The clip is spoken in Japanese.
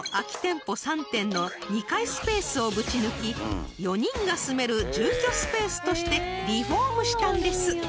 ３店の２階スペースをぶち抜き４人が住める住居スペースとしてリフォームしたんです］